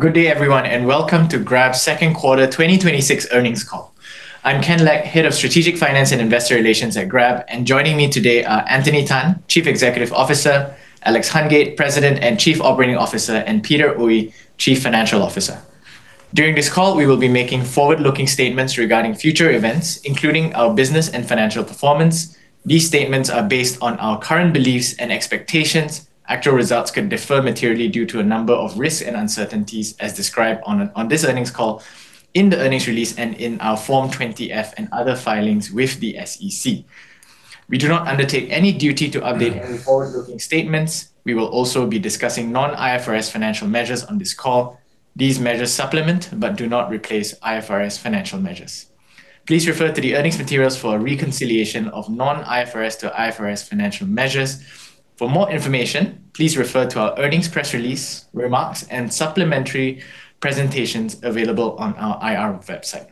Good day, everyone, and welcome to Grab's second quarter 2026 earnings call. I'm Ken Lek, Head of Strategic Finance and Investor Relations at Grab, joining me today are Anthony Tan, Chief Executive Officer, Alex Hungate, President and Chief Operating Officer, and Peter Oey, Chief Financial Officer. During this call, we will be making forward-looking statements regarding future events, including our business and financial performance. These statements are based on our current beliefs and expectations. Actual results could differ materially due to a number of risks and uncertainties as described on this earnings call, in the earnings release, and in our Form 20-F and other filings with the SEC. We do not undertake any duty to update any forward-looking statements. We will also be discussing non-IFRS financial measures on this call. These measures supplement but do not replace IFRS financial measures. Please refer to the earnings materials for a reconciliation of non-IFRS to IFRS financial measures. For more information, please refer to our earnings press release remarks and supplementary presentations available on our IR website.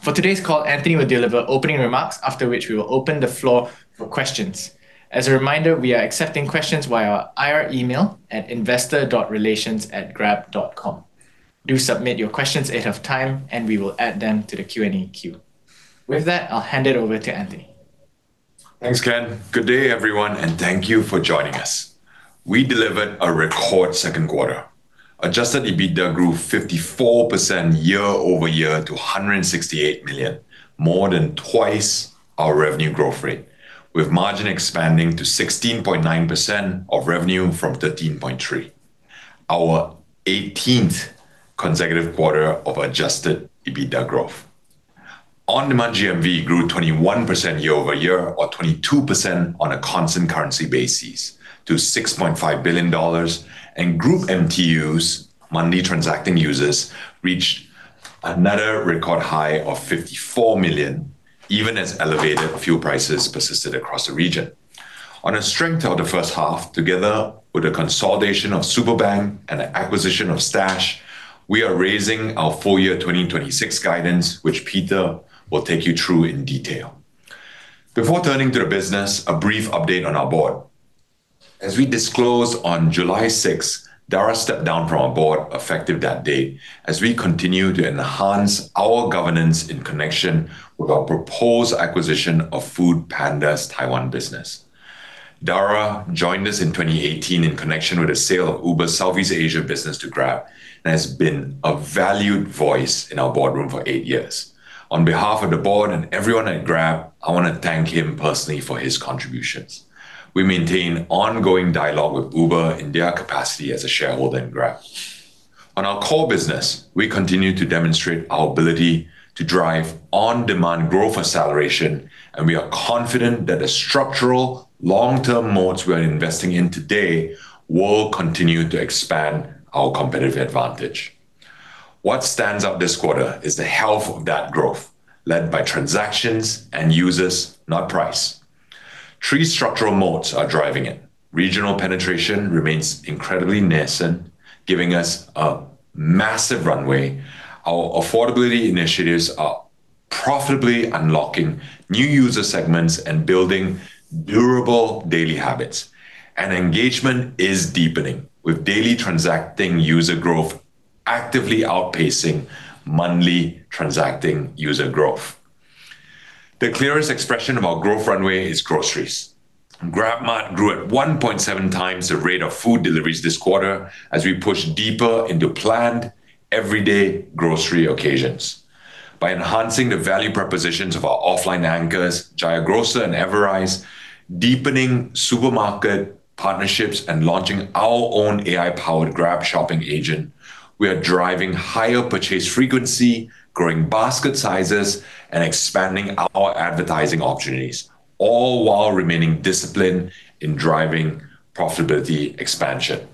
For today's call, Anthony will deliver opening remarks, after which we will open the floor for questions. As a reminder, we are accepting questions via our IR email at investor.relations@grab.com. Do submit your questions ahead of time, we will add them to the Q&A queue. With that, I'll hand it over to Anthony. Thanks, Ken. Good day, everyone, thank you for joining us. We delivered a record second quarter. Adjusted EBITDA grew 54% year-over-year to $168 million, more than twice our revenue growth rate, with margin expanding to 16.9% of revenue from 13.3%. Our 18th consecutive quarter of adjusted EBITDA growth. On-demand GMV grew 21% year-over-year or 22% on a constant currency basis to $6.5 billion. Group MTUs, Monthly Transacting Users, reached another record high of 54 million, even as elevated fuel prices persisted across the region. On the strength of the first half, together with the consolidation of Superbank and the acquisition of Stash, we are raising our full year 2026 guidance, which Peter will take you through in detail. Before turning to the business, a brief update on our board. As we disclosed on July 6, Dara stepped down from our board effective that date, as we continue to enhance our governance in connection with our proposed acquisition of foodpanda's Taiwan business. Dara joined us in 2018 in connection with the sale of Uber's Southeast Asia business to Grab and has been a valued voice in our boardroom for eight years. On behalf of the board, everyone at Grab, I want to thank him personally for his contributions. We maintain ongoing dialogue with Uber in their capacity as a shareholder in Grab. On our core business, we continue to demonstrate our ability to drive on-demand growth acceleration, we are confident that the structural long-term modes we are investing in today will continue to expand our competitive advantage. What stands out this quarter is the health of that growth, led by transactions and users, not price. Three structural modes are driving it. Regional penetration remains incredibly nascent, giving us a massive runway. Our affordability initiatives are profitably unlocking new user segments and building durable daily habits. Engagement is deepening, with Daily Transacting User growth actively outpacing Monthly Transacting User growth. The clearest expression of our growth runway is groceries. GrabMart grew at 1.7x the rate of food deliveries this quarter as we push deeper into planned everyday grocery occasions. By enhancing the value propositions of our offline anchors, Jaya Grocer and Everrise, deepening supermarket partnerships, and launching our own AI-powered Grab Shopping Agent, we are driving higher purchase frequency, growing basket sizes, and expanding our advertising opportunities, all while remaining disciplined in driving profitability expansion.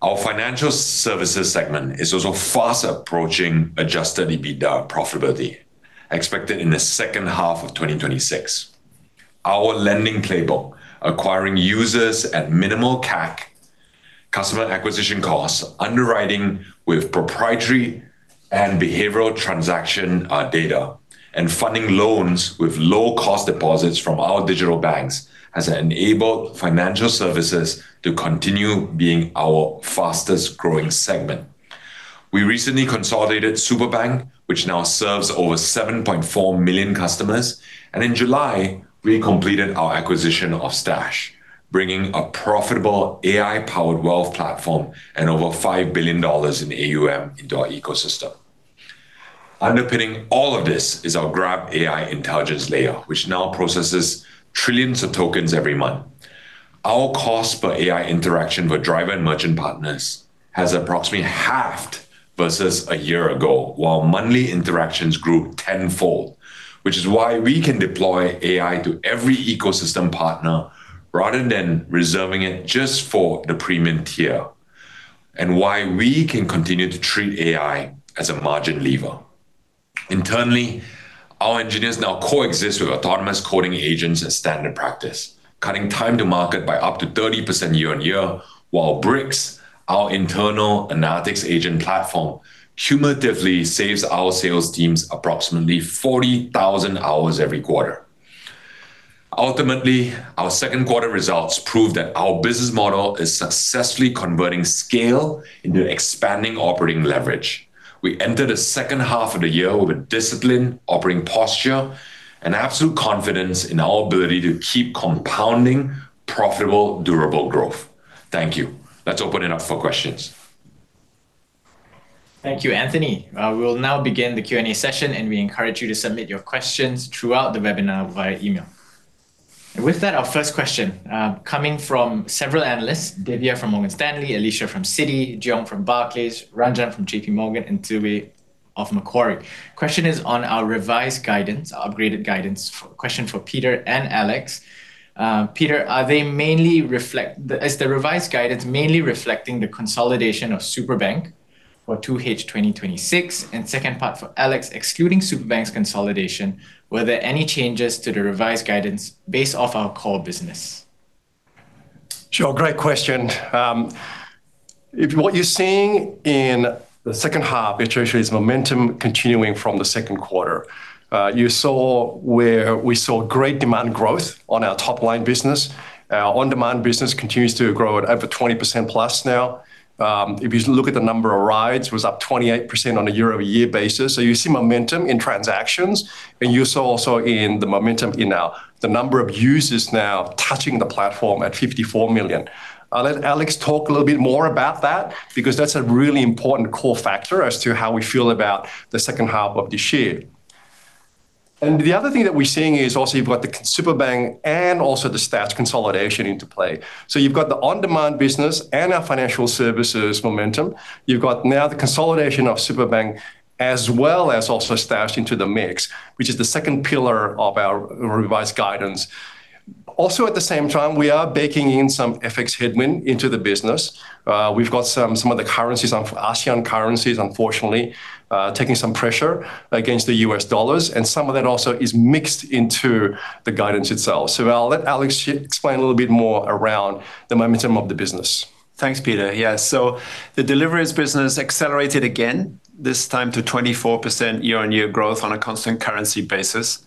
Our financial services segment is also fast approaching adjusted EBITDA profitability, expected in the second half of 2026. Our lending playbook, acquiring users at minimal CAC, customer acquisition costs, underwriting with proprietary and behavioral transaction data, and funding loans with low-cost deposits from our digital banks has enabled financial services to continue being our fastest-growing segment. We recently consolidated Superbank, which now serves over 7.4 million customers, and in July, we completed our acquisition of Stash, bringing a profitable AI-powered wealth platform and over $5 billion in AUM into our ecosystem. Underpinning all of this is our Grab AI intelligence layer, which now processes trillions of tokens every month. Our cost per AI interaction with driver and merchant partners has approximately halved versus a year ago, while monthly interactions grew tenfold, which is why we can deploy AI to every ecosystem partner rather than reserving it just for the premium tier, and why we can continue to treat AI as a margin lever. Internally, our engineers now coexist with autonomous coding agents as standard practice, cutting time to market by up to 30% year-on-year, while BriX, our internal analytics agent platform, cumulatively saves our sales teams approximately 40,000 hours every quarter. Ultimately, our second quarter results prove that our business model is successfully converting scale into expanding operating leverage. We enter the second half of the year with a disciplined operating posture and absolute confidence in our ability to keep compounding profitable, durable growth. Thank you. Let's open it up for questions. Thank you, Anthony. We'll now begin the Q&A session, and we encourage you to submit your questions throughout the webinar via email. With that, our first question, coming from several analysts, Divya from Morgan Stanley, Alicia from Citi, Jiong from Barclays, Ranjan from JPMorgan Chase, and Zubayr of Macquarie. Question is on our revised guidance, our upgraded guidance. Question for Peter and Alex. Peter, is the revised guidance mainly reflecting the consolidation of Superbank for 2H 2026? Second part for Alex, excluding Superbank's consolidation, were there any changes to the revised guidance based off our core business? Sure, great question. What you're seeing in the second half, it shows momentum continuing from the second quarter. We saw great demand growth on our top-line business. Our on-demand business continues to grow at over 20%+ now. If you look at the number of rides, was up 28% on a year-over-year basis. You see momentum in transactions, and you saw also in the momentum in the number of users now touching the platform at 54 million. I'll let Alex talk a little bit more about that because that's a really important core factor as to how we feel about the second half of this year. The other thing that we're seeing is also you've got the Superbank and also the Stash consolidation into play. You've got the on-demand business and our financial services momentum. You've got now the consolidation of Superbank, as well as also Stash into the mix, which is the second pillar of our revised guidance. Also at the same time, we are baking in some FX headwind into the business. We've got some of the currencies, our Asian currencies, unfortunately, taking some pressure against the U.S. dollars, and some of that also is mixed into the guidance itself. I'll let Alex explain a little bit more around the momentum of the business. Thanks, Peter. The deliveries business accelerated again, this time to 24% year-on-year growth on a constant currency basis.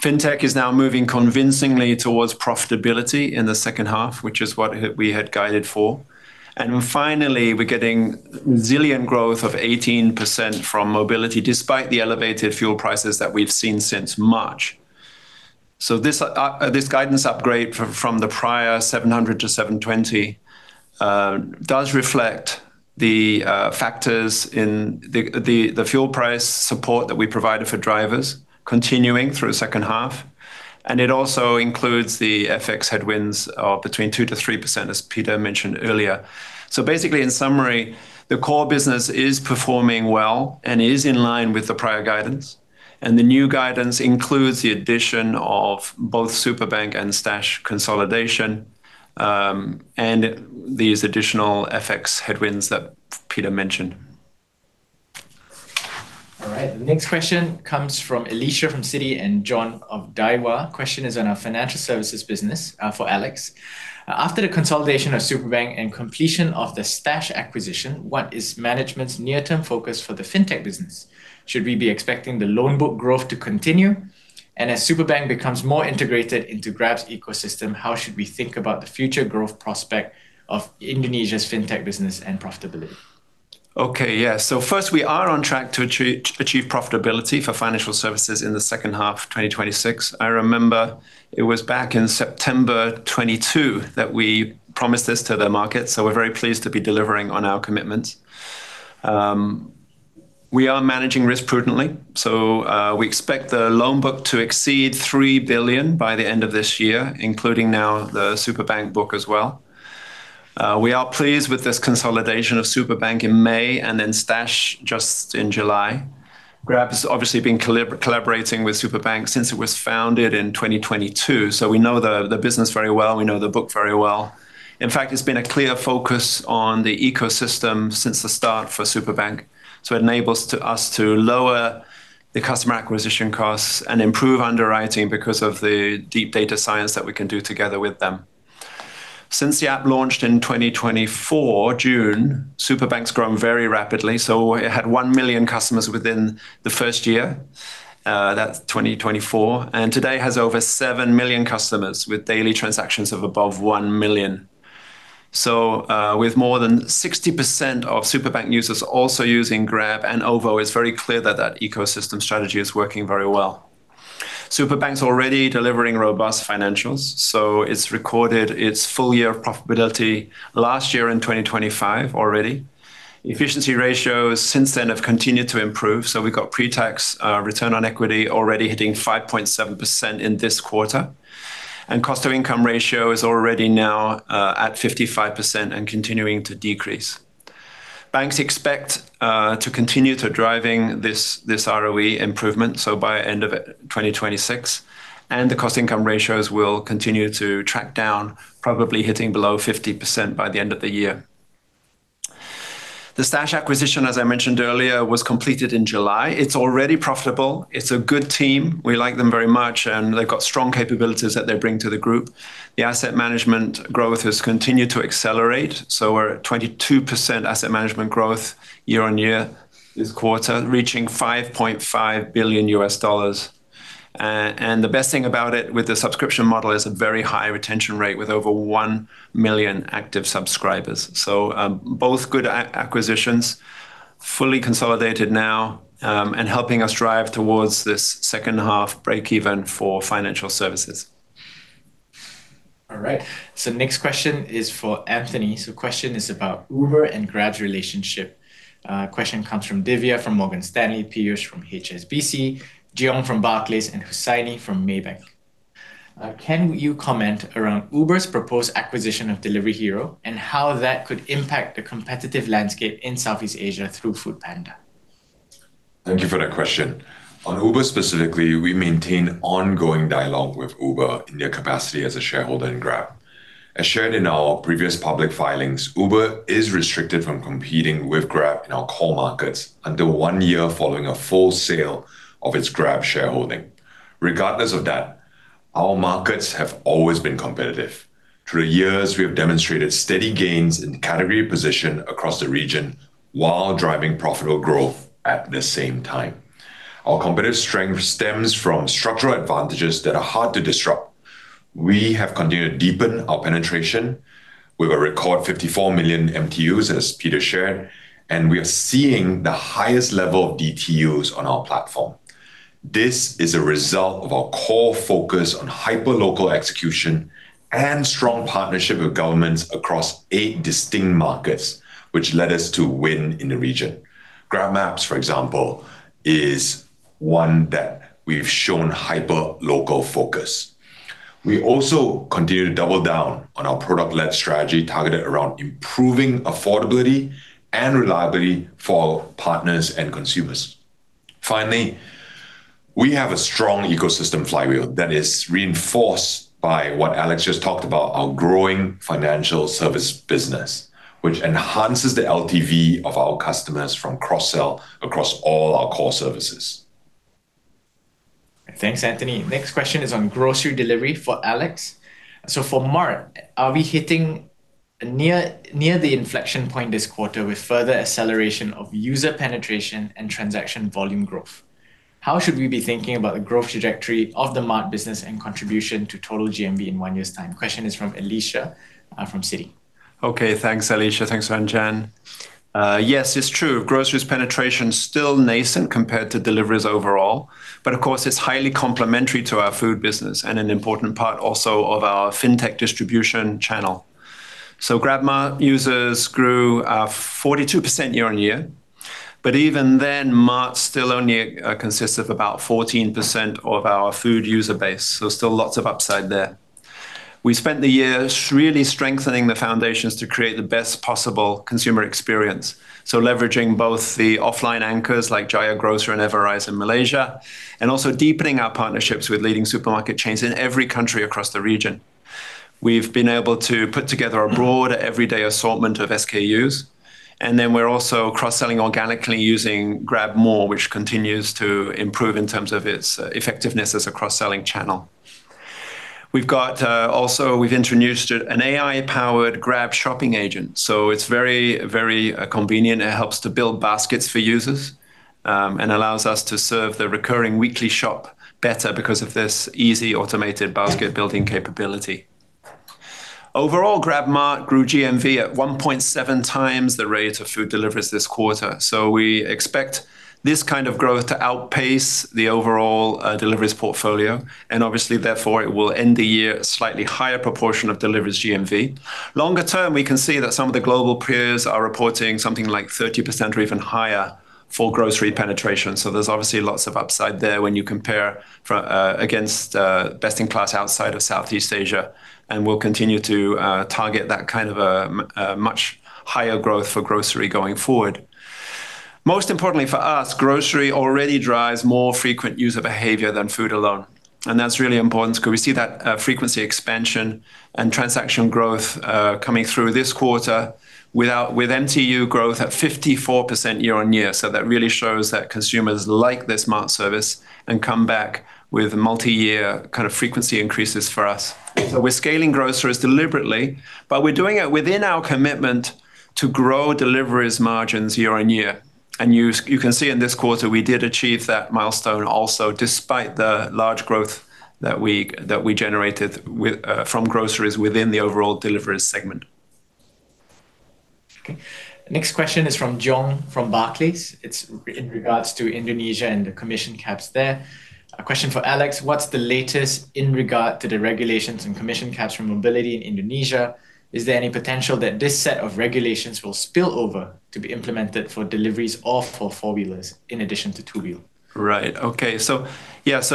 Fintech is now moving convincingly towards profitability in the second half, which is what we had guided for. Finally, we're getting resilient growth of 18% from mobility, despite the elevated fuel prices that we've seen since March. This guidance upgrade from the prior 700 to 720 does reflect the factors in the fuel price support that we provided for drivers continuing through second half. It also includes the FX headwinds of between 2%-3%, as Peter mentioned earlier. Basically, in summary, the core business is performing well and is in line with the prior guidance. The new guidance includes the addition of both Superbank and Stash consolidation, and these additional FX headwinds that Peter mentioned. All right. The next question comes from Alicia from Citi and John of Daiwa. Question is on our financial services business for Alex. After the consolidation of Superbank and completion of the Stash acquisition, what is management's near-term focus for the fintech business? Should we be expecting the loan book growth to continue? As Superbank becomes more integrated into Grab's ecosystem, how should we think about the future growth prospect of Indonesia's fintech business and profitability? Okay, yeah. First, we are on track to achieve profitability for financial services in the second half of 2026. I remember it was back in September 2022 that we promised this to the market. We're very pleased to be delivering on our commitments. We are managing risk prudently. We expect the loan book to exceed $3 billion by the end of this year, including now the Superbank book as well. We are pleased with this consolidation of Superbank in May and then Stash just in July. Grab has obviously been collaborating with Superbank since it was founded in 2022. We know the business very well. We know the book very well. In fact, it's been a clear focus on the ecosystem since the start for Superbank. It enables us to lower the customer acquisition costs and improve underwriting because of the deep data science that we can do together with them. Since the app launched in 2024, June, Superbank's grown very rapidly. It had 1 million customers within the first year. That's 2024. Today, it has over 7 million customers with daily transactions of above 1 million. With more than 60% of Superbank users also using Grab and OVO, it's very clear that that ecosystem strategy is working very well. Superbank's already delivering robust financials, it's recorded its full-year profitability last year in 2025 already. Efficiency ratios since then have continued to improve. We've got pre-tax return on equity already hitting 5.7% in this quarter. Cost to income ratio is already now at 55% and continuing to decrease. Banks expect to continue to driving this ROE improvement, by end of 2026. The cost income ratios will continue to track down, probably hitting below 50% by the end of the year. The Stash acquisition, as I mentioned earlier, was completed in July. It's already profitable. It's a good team. We like them very much, and they've got strong capabilities that they bring to the group. The asset management growth has continued to accelerate, we're at 22% asset management growth year-on-year this quarter, reaching $5.5 billion. The best thing about it with the subscription model is a very high retention rate with over 1 million active subscribers. Both good acquisitions, fully consolidated now, and helping us drive towards this second half breakeven for financial services. All right. Next question is for Anthony. Question is about Uber and Grab's relationship. Question comes from Divya from Morgan Stanley, Piyush from HSBC, Jiong from Barclays, and Hussaini from Maybank. Can you comment around Uber's proposed acquisition of Delivery Hero and how that could impact the competitive landscape in Southeast Asia through foodpanda? Thank you for that question. On Uber specifically, we maintain ongoing dialogue with Uber in their capacity as a shareholder in Grab. As shared in our previous public filings, Uber is restricted from competing with Grab in our core markets under 1 year following a full sale of its Grab shareholding. Regardless of that, our markets have always been competitive. Through the years, we have demonstrated steady gains in category position across the region while driving profitable growth at the same time. Our competitive strength stems from structural advantages that are hard to disrupt. We have continued to deepen our penetration with a record 54 million MTUs, as Peter shared, and we are seeing the highest level of DTUs on our platform. This is a result of our core focus on hyper-local execution and strong partnership with governments across 8 distinct markets, which led us to win in the region. GrabMaps, for example, is one that we've shown hyper-local focus. We also continue to double down on our product-led strategy targeted around improving affordability and reliability for our partners and consumers. Finally, we have a strong ecosystem flywheel that is reinforced by what Alex just talked about, our growing financial service business, which enhances the LTV of our customers from cross-sell across all our core services. Thanks, Anthony. Next question is on grocery delivery for Alex. For Mart, are we hitting near the inflection point this quarter with further acceleration of user penetration and transaction volume growth? How should we be thinking about the growth trajectory of the Mart business and contribution to total GMV in one year's time? Question is from Alicia from Citi. Okay, thanks, Alicia. Thanks, Ranjan. Yes, it's true. Groceries penetration is still nascent compared to deliveries overall, but of course, it's highly complementary to our food business and an important part also of our fintech distribution channel. GrabMart users grew 42% year-on-year, but even then, Mart still only consists of about 14% of our food user base. Still lots of upside there. We spent the year really strengthening the foundations to create the best possible consumer experience. Leveraging both the offline anchors like Jaya Grocer and Everrise in Malaysia, and also deepening our partnerships with leading supermarket chains in every country across the region. We've been able to put together a broad everyday assortment of SKUs, we're also cross-selling organically using GrabMore, which continues to improve in terms of its effectiveness as a cross-selling channel. We've introduced an AI-powered Grab Shopping Agent, it's very convenient. It helps to build baskets for users and allows us to serve the recurring weekly shop better because of this easy automated basket-building capability. Overall, GrabMart grew GMV at 1.7x the rate of food deliveries this quarter. We expect this kind of growth to outpace the overall deliveries portfolio, and obviously, therefore, it will end the year at a slightly higher proportion of deliveries GMV. Longer term, we can see that some of the global peers are reporting something like 30% or even higher for grocery penetration. There's obviously lots of upside there when you compare against best in class outside of Southeast Asia, and we'll continue to target that kind of a much higher growth for grocery going forward. Most importantly for us, grocery already drives more frequent user behavior than food alone, and that's really important because we see that frequency expansion and transaction growth coming through this quarter with MTU growth at 54% year-on-year. That really shows that consumers like this Mart service and come back with multi-year kind of frequency increases for us. We're scaling groceries deliberately, but we're doing it within our commitment to grow deliveries margins year-on-year. You can see in this quarter, we did achieve that milestone also despite the large growth that we generated from groceries within the overall deliveries segment. Okay. Next question is from Jiong from Barclays. It's in regard to Indonesia and the commission caps there. A question for Alex: What's the latest in regard to the regulations and commission caps for mobility in Indonesia? Is there any potential that this set of regulations will spill over to be implemented for deliveries of 4-wheelers in addition to 2-wheel?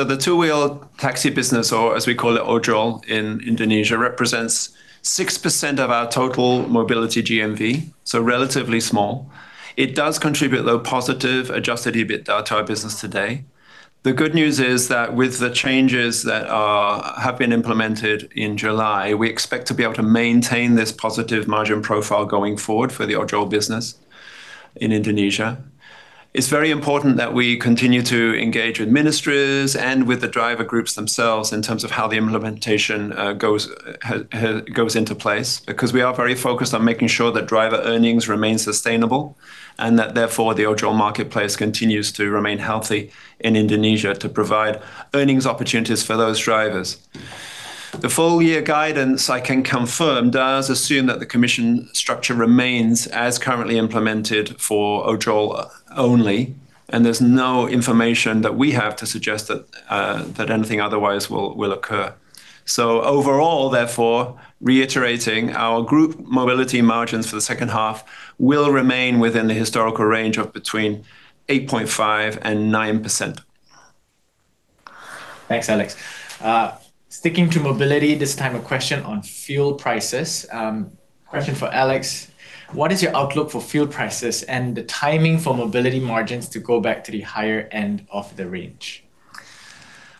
The two-wheel taxi business, or as we call it, Ojol in Indonesia, represents 6% of our total mobility GMV, so relatively small. It does contribute, though, positive adjusted EBITDA to our business today. The good news is that with the changes that have been implemented in July, we expect to be able to maintain this positive margin profile going forward for the Ojol business in Indonesia. It's very important that we continue to engage with ministries and with the driver groups themselves in terms of how the implementation goes into place, because we are very focused on making sure that driver earnings remain sustainable and that therefore the Ojol marketplace continues to remain healthy in Indonesia to provide earnings opportunities for those drivers. The full year guidance, I can confirm, does assume that the commission structure remains as currently implemented for Ojol only, and there's no information that we have to suggest that anything otherwise will occur. Overall, therefore, reiterating our group mobility margins for the second half will remain within the historical range of between 8.5% and 9%. Thanks, Alex. Sticking to mobility, this time a question on fuel prices. Question for Alex. What is your outlook for fuel prices and the timing for mobility margins to go back to the higher end of the range?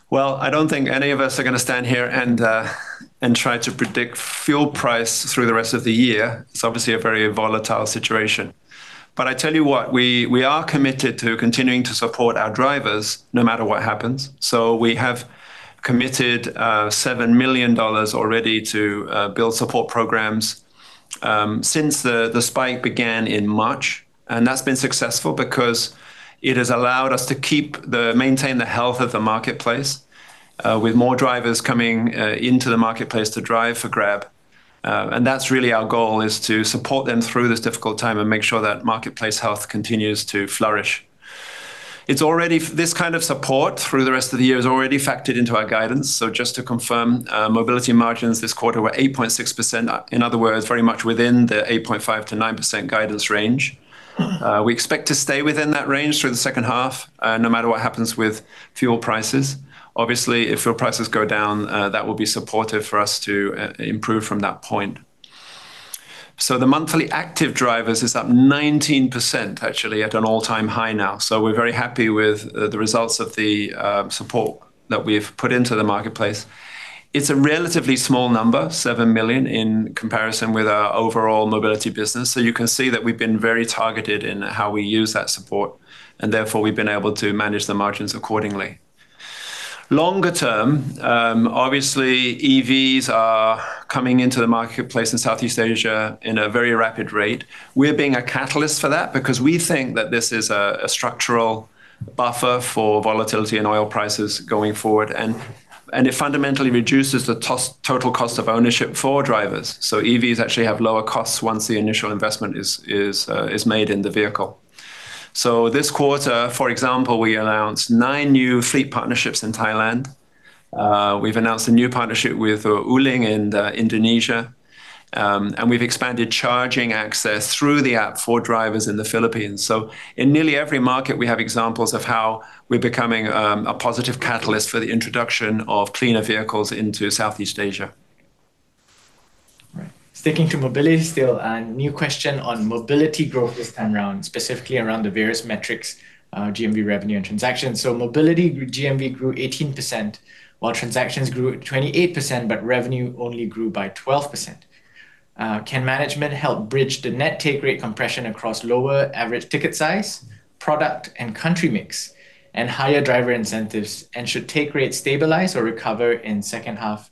I don't think any of us are going to stand here and try to predict fuel price through the rest of the year. It's obviously a very volatile situation. I tell you what, we are committed to continuing to support our drivers no matter what happens. We have committed $7 million already to build support programs since the spike began in March, and that's been successful because it has allowed us to maintain the health of the marketplace, with more drivers coming into the marketplace to drive for Grab. That's really our goal, is to support them through this difficult time and make sure that marketplace health continues to flourish. This kind of support through the rest of the year is already factored into our guidance. Just to confirm, mobility margins this quarter were 8.6%. In other words, very much within the 8.5%-9% guidance range. We expect to stay within that range through the second half, no matter what happens with fuel prices. Obviously, if fuel prices go down, that will be supportive for us to improve from that point. The monthly active drivers is up 19%, actually, at an all-time high now. We're very happy with the results of the support that we've put into the marketplace. It's a relatively small number, 7 million, in comparison with our overall mobility business. You can see that we've been very targeted in how we use that support, and therefore, we've been able to manage the margins accordingly. Longer term, obviously, EVs are coming into the marketplace in Southeast Asia in a very rapid rate. We're being a catalyst for that because we think that this is a structural buffer for volatility in oil prices going forward. It fundamentally reduces the total cost of ownership for drivers. EVs actually have lower costs once the initial investment is made in the vehicle. This quarter, for example, we announced nine new fleet partnerships in Thailand. We've announced a new partnership with Wuling in Indonesia, and we've expanded charging access through the app for drivers in the Philippines. In nearly every market, we have examples of how we're becoming a positive catalyst for the introduction of cleaner vehicles into Southeast Asia. Right. Sticking to mobility still, a new question on mobility growth this time round, specifically around the various metrics, GMV revenue, and transactions. Mobility GMV grew 18%, while transactions grew 28%, but revenue only grew by 12%. Can management help bridge the net take rate compression across lower average ticket size, product, and country mix, and higher driver incentives? Should take rate stabilize or recover in second half?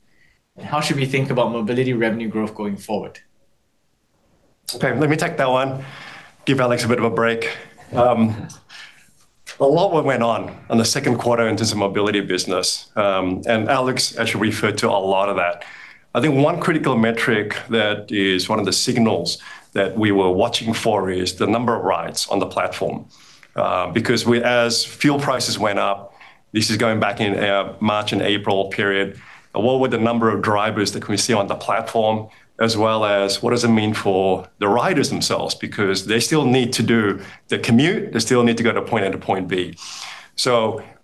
How should we think about mobility revenue growth going forward? Okay, let me take that one, give Alex a bit of a break. A lot went on in the second quarter into the mobility business, and Alex actually referred to a lot of that. I think one critical metric that is one of the signals that we were watching for is the number of rides on the platform. As fuel prices went up, this is going back in March and April period, what were the number of drivers that we see on the platform, as well as what does it mean for the riders themselves? They still need to do the commute. They still need to go to point A to point B.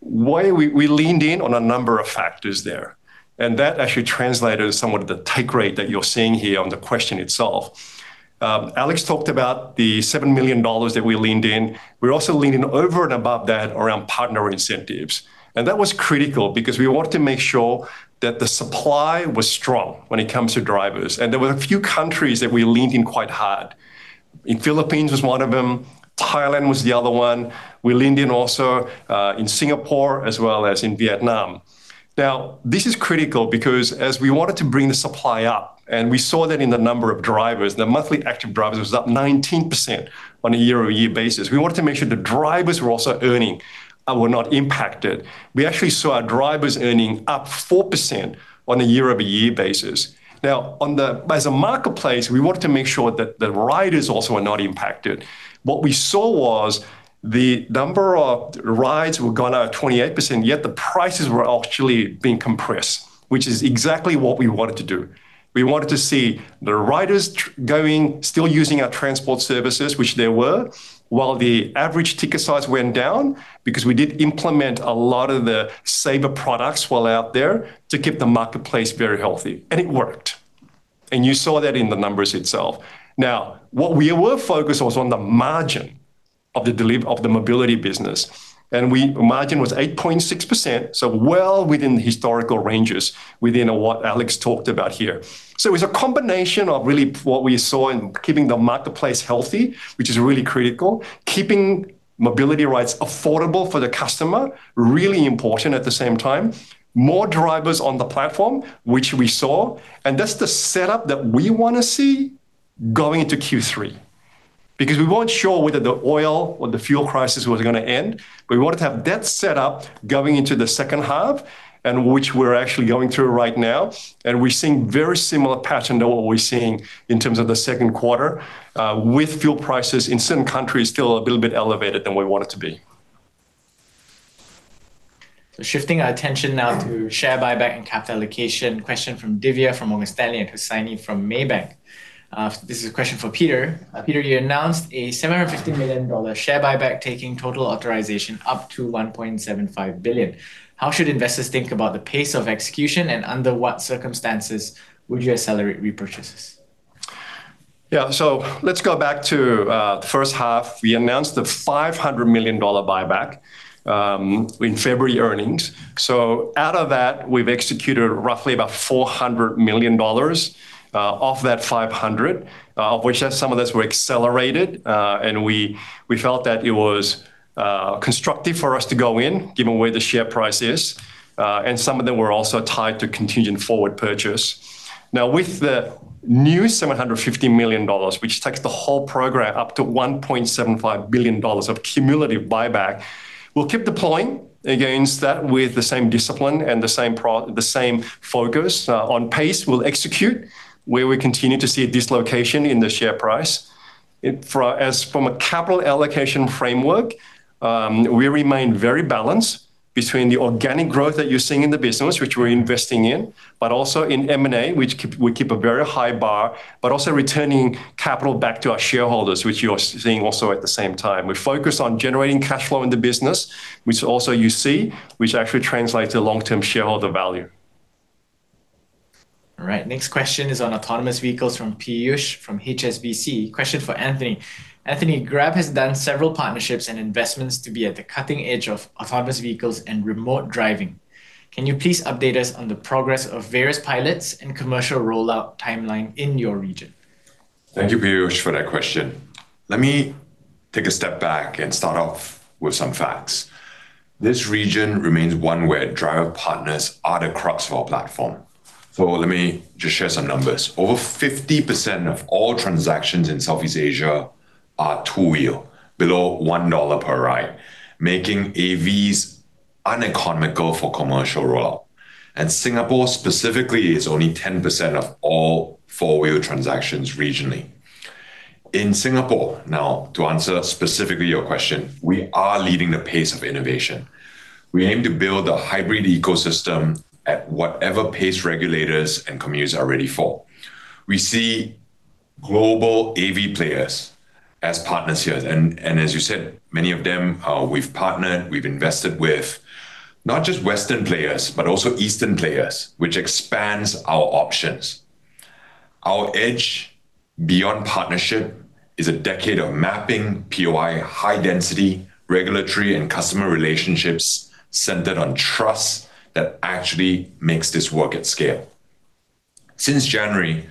We leaned in on a number of factors there, and that actually translated somewhat to the take rate that you're seeing here on the question itself. Alex talked about the $7 million that we leaned in. We're also leaning over and above that around partner incentives. That was critical because we wanted to make sure that the supply was strong when it comes to drivers. There were a few countries that we leaned in quite hard. Philippines was one of them. Thailand was the other one. We leaned in also in Singapore as well as in Vietnam. This is critical because as we wanted to bring the supply up, and we saw that in the number of drivers, the monthly active drivers was up 19% on a year-over-year basis. We wanted to make sure the drivers were also earning and were not impacted. We actually saw our drivers earning up 4% on a year-over-year basis. As a marketplace, we wanted to make sure that the riders also are not impacted. What we saw was the number of rides were up 28%, yet the prices were actually being compressed, which is exactly what we wanted to do. We wanted to see the riders still using our transport services, which they were, while the average ticket size went down because we did implement a lot of the saver products while out there to keep the marketplace very healthy. It worked, and you saw that in the numbers itself. What we were focused was on the margin of the mobility business, and margin was 8.6%, so well within the historical ranges within what Alex talked about here. It's a combination of really what we saw in keeping the marketplace healthy, which is really critical, keeping mobility rides affordable for the customer, really important at the same time, more drivers on the platform, which we saw, and that's the setup that we want to see going into Q3. Because we weren't sure whether the oil or the fuel crisis was going to end. We wanted to have that set up going into the second half, and which we're actually going through right now, and we're seeing very similar pattern to what we're seeing in terms of the second quarter, with fuel prices in certain countries still a little bit elevated than we want it to be. Shifting our attention now to share buyback and capital allocation. Question from Divya from Morgan Stanley and Hussaini from Maybank. This is a question for Peter. Peter, you announced a $750 million share buyback, taking total authorization up to $1.75 billion. How should investors think about the pace of execution, and under what circumstances would you accelerate repurchases? Yeah. Let's go back to the first half. We announced the $500 million buyback in February earnings. Out of that, we've executed roughly about $400 million of that 500, of which some of those were accelerated. We felt that it was constructive for us to go in given where the share price is. Some of them were also tied to contingent forward purchase. With the new $750 million, which takes the whole program up to $1.75 billion of cumulative buyback, we'll keep deploying against that with the same discipline and the same focus. On pace, we'll execute where we continue to see a dislocation in the share price. As from a capital allocation framework, we remain very balanced between the organic growth that you're seeing in the business, which we're investing in, also in M&A, which we keep a very high bar, also returning capital back to our shareholders, which you are seeing also at the same time. We focus on generating cash flow in the business, which also you see, which actually translates to long-term shareholder value. All right. Next question is on autonomous vehicles from Piyush from HSBC. Question for Anthony. Anthony, Grab has done several partnerships and investments to be at the cutting edge of autonomous vehicles and remote driving. Can you please update us on the progress of various pilots and commercial rollout timeline in your region? Thank you, Piyush, for that question. Let me take a step back and start off with some facts. This region remains one where driver partners are the crux of our platform. Let me just share some numbers. Over 50% of all transactions in Southeast Asia are two-wheel, below $1 per ride, making AVs uneconomical for commercial rollout. Singapore specifically is only 10% of all four-wheel transactions regionally. In Singapore, now, to answer specifically your question, we are leading the pace of innovation. We aim to build a hybrid ecosystem at whatever pace regulators and commuters are ready for. We see global AV players as partners here, as you said, many of them, we've partnered, we've invested with. Not just Western players, also Eastern players, which expands our options. Our edge beyond partnership is a decade of mapping POI high density regulatory and customer relationships centered on trust that actually makes this work at scale. Since January,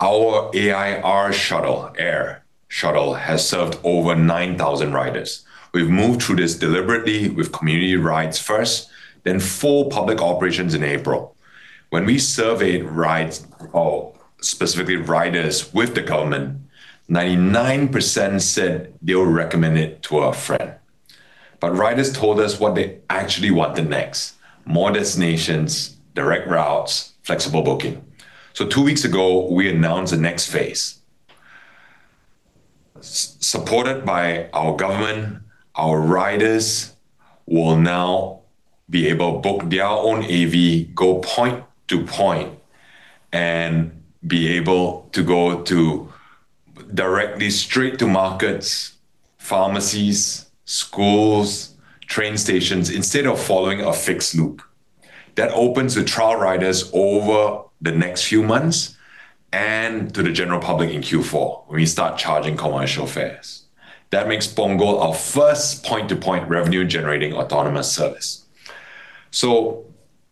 our Ai.R shuttle, Ai.R shuttle, has served over 9,000 riders. We've moved through this deliberately with community rides first, then full public operations in April. When we surveyed rides, or specifically riders with the government, 99% said they would recommend it to a friend. Riders told us what they actually want the next: more destinations, direct routes, flexible booking. Two weeks ago, we announced the next phase. Supported by our government, our riders will now be able to book their own AV, go point to point, and be able to go directly straight to markets, pharmacies, schools, train stations, instead of following a fixed loop. That opens to trial riders over the next few months, and to the general public in Q4, when we start charging commercial fares. That makes Punggol our first point to point revenue-generating autonomous service.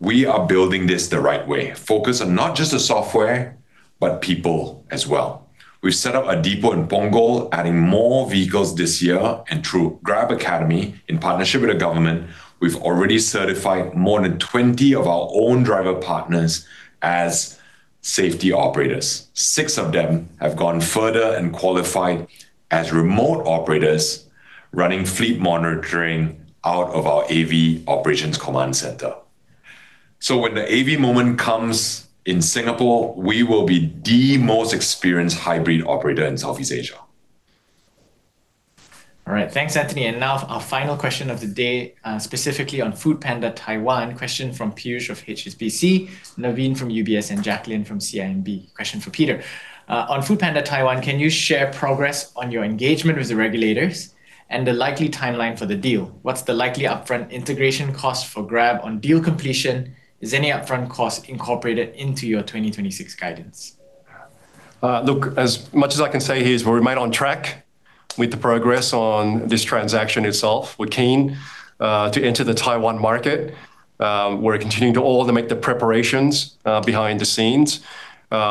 We are building this the right way. Focus on not just the software but people as well. We've set up a depot in Punggol, adding more vehicles this year. Through GrabAcademy, in partnership with the government, we've already certified more than 20 of our own driver partners as safety operators. Six of them have gone further and qualified as remote operators running fleet monitoring out of our AV operations command center. When the AV moment comes in Singapore, we will be the most experienced hybrid operator in Southeast Asia. All right. Thanks, Anthony. Now our final question of the day, specifically on foodpanda Taiwan. Question from Piyush of HSBC, Naveen from UBS, and Jacqueline from CIMB. Question for Peter. On foodpanda Taiwan, can you share progress on your engagement with the regulators and the likely timeline for the deal? What's the likely upfront integration cost for Grab on deal completion? Is any upfront cost incorporated into your 2026 guidance? Look, as much as I can say here is we remain on track with the progress on this transaction itself. We're keen to enter the Taiwan market. We're continuing to all make the preparations behind the scenes.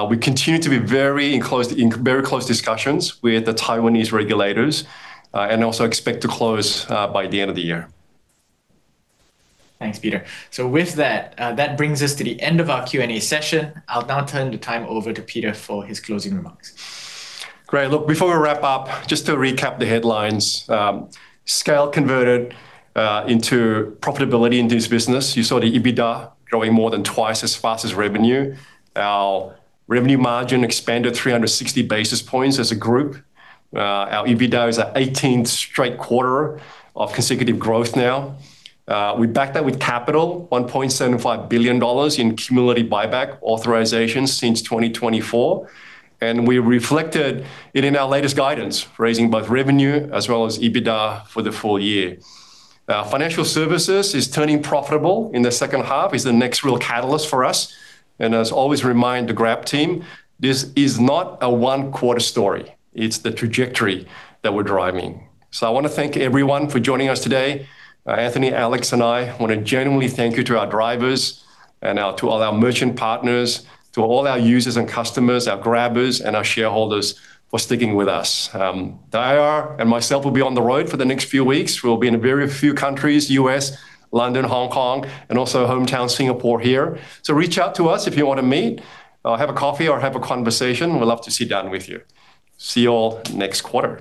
We continue to be very in close discussions with the Taiwanese regulators. Also expect to close by the end of the year. Thanks, Peter. With that brings us to the end of our Q&A session. I'll now turn the time over to Peter for his closing remarks. Great. Look, before we wrap up, just to recap the headlines, scale converted into profitability in this business. You saw the EBITDA growing more than twice as fast as revenue. Our revenue margin expanded 360 basis points as a group. Our EBITDA is at 18 straight quarter of consecutive growth now. We backed that with capital, $1.75 billion in cumulative buyback authorizations since 2024. We reflected it in our latest guidance, raising both revenue as well as EBITDA for the full year. Our financial services is turning profitable in the second half. It's the next real catalyst for us. As always remind the Grab team, this is not a one-quarter story. It's the trajectory that we're driving. I want to thank everyone for joining us today. Anthony, Alex, and I want to genuinely thank you to our drivers and to all our merchant partners, to all our users and customers, our Grabbers, and our shareholders for sticking with us. Dara and myself will be on the road for the next few weeks. We'll be in a very few countries, U.S., London, Hong Kong, and also hometown Singapore here. Reach out to us if you want to meet, have a coffee or have a conversation. We'd love to sit down with you. See you all next quarter.